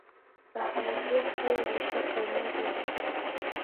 Pagha ya Jesu yaelesha kaung'a rose.